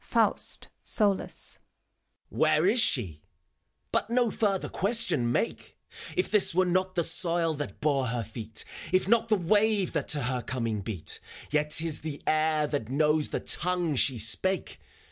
FAUST {solus), ,^^, Where is shef — ^But no further question make! If this were not the soil that bore her feet, If not the wave that to her coming beat, Tet 't is the air that knows the tongue she spake.